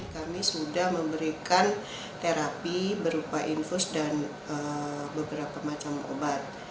kami sudah memberikan terapi berupa infus dan beberapa macam obat